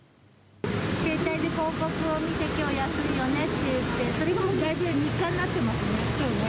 携帯で広告を見て、きょう安いよねって言って、それが日課になっていますね。